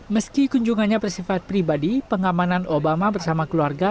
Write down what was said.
meski kunjungannya bersifat pribadi pengamanan obama bersama keluarga